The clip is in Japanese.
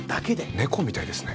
猫みたいですね。